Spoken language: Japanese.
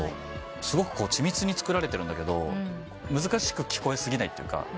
すごく緻密に作られてるんだけど難しく聞こえ過ぎないというか。